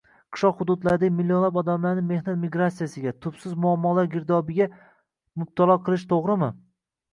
qishloq hududlaridagi millionlab odamlarni mehnat migratsiyasiga, tubsiz muammolar girdobiga mubtalo qilish to‘g‘rimidi?